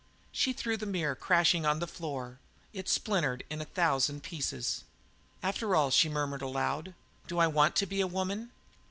She threw the mirror crashing on the floor; it splintered in a thousand pieces. "After all," she murmured aloud, "do I want to be a woman?"